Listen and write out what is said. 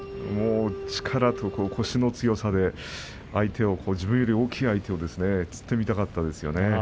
力と腰の強さで自分より大きい相手をつってみたかったですね。